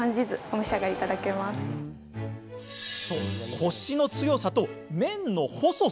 コシの強さと麺の細さ。